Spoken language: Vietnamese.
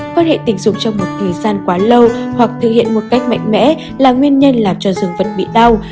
quan hệ tình dục trong một thời gian quá lâu hoặc thực hiện một cách mạnh mẽ là nguyên nhân làm cho dương vật bị đau